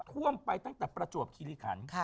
ท่วมไปตั้งแต่ประจวบคิริขัน